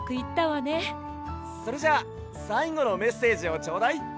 それじゃあさいごのメッセージをちょうだい！